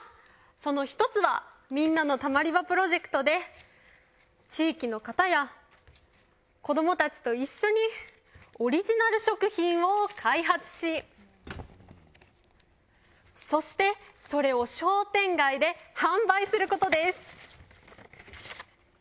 その１つはみんなのたまり場プロジェクトで地域の方や子どもたちと一緒にオリジナル食品を開発しそしてそれを商店街で販売することです。